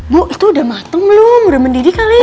bu itu udah mateng belum udah mendidih kali ya